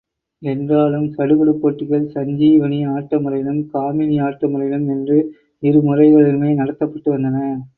என்றாலும், சடுகுடுப் போட்டிகள் சஞ்சீவனி ஆட்ட முறையிலும், காமினி ஆட்ட முறையிலும் என்று இரு முறைகளிலுமே நடத்தப்பட்டு வந்தன.